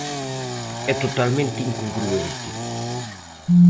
É totalmente incongruente.